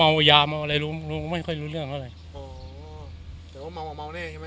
แต่ว่าเมาเนี่ยใช่ไหม